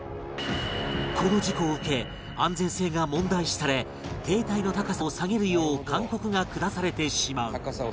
この事故を受け安全性が問題視され提体の高さを下げるよう勧告が下されてしまう